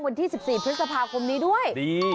วันที่๑๔พฤษภาคมนี้ด้วย